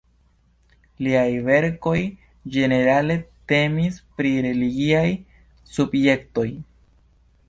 Liaj verkoj ĝenerale temis pri religiaj subjektoj.